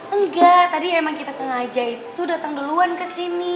enggak tadi emang kita sengaja itu datang duluan kesini